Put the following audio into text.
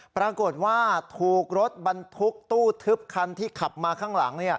ปรากฏว่าถูกรถบรรทุกตู้ทึบคันที่ขับมาข้างหลัง